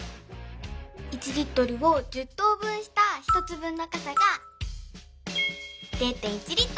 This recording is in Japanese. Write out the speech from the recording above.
１Ｌを１０とう分した１つ分のかさが０．１Ｌ。